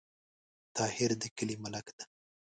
طاهر د کلې ملک ده